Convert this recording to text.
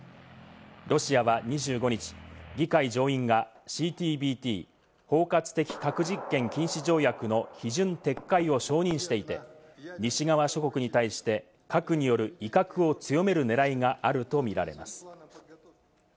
ロシアは２５日、議会上院がＣＴＢＴ＝包括的核実験禁止条約の批准撤回を承認していて、西側諸国に対して核による威嚇を強める狙いがあると見られます。